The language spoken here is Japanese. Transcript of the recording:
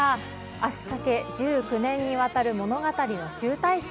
足掛け１９年にわたる物語の集大成。